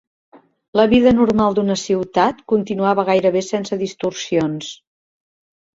La vida normal d'una ciutat, continuava gairebé sense distorsions